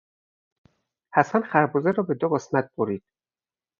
حسن خربزه را به دو قسمت برید.